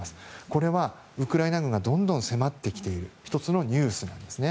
これはウクライナ軍がどんどん迫ってきている１つのニュースなんですね。